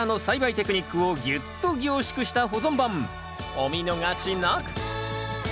お見逃しなく。